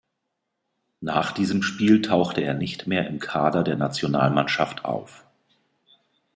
Nach diesem Spiel tauchte er nicht mehr im Kader der Nationalmannschaft auf.